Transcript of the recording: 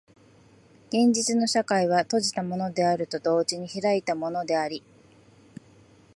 現実の社会は閉じたものであると同時に開いたものであり、